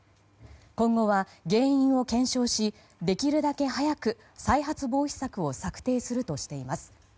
今後は原因を検証しできるだけ早く再発防止策を策定するとしています。